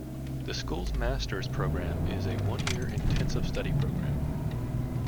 The school's master's program is a one-year intensive study program.